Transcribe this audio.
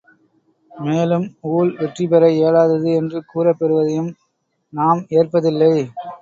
மேலும் ஊழ் வெற்றிபெற இயலாதது என்று கூறப்பெறுவதையும் நாம் ஏற்பதில்லை!